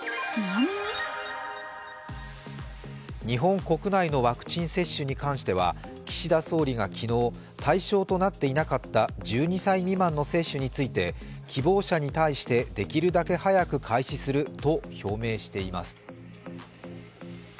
日本国内のワクチン接種に関しては岸田総理が昨日対象となっていなかった１２歳未満の接種について希望者に対してできるだけ早く開始すると表明しています。